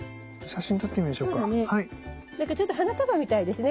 なんかちょっと花束みたいですね